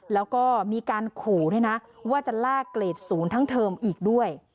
แล้วก็มีการขู่ด้วยนะว่าจะแลกเกรดศูนย์ทั้งเทอมอีกด้วย